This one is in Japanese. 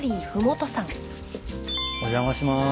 お邪魔します。